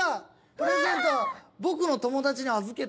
「プレゼントは僕の友達に預けたよ」。